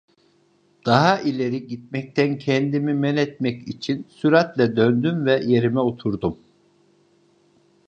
Daha ileri gitmekten kendimi menetmek için süratle döndüm ve yerime oturdum.